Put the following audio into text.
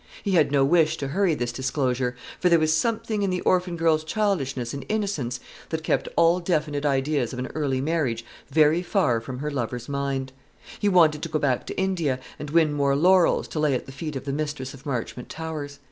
He had no wish to hurry this disclosure; for there was something in the orphan girl's childishness and innocence that kept all definite ideas of an early marriage very far away from her lover's mind. He wanted to go back to India, and win more laurels, to lay at the feet of the mistress of Marchmont Towers.